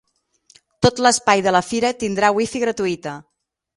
Tot l’espai de la fira tindrà wifi gratuïta.